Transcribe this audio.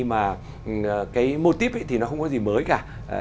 mà cái mô típ thì nó không có gì mới cả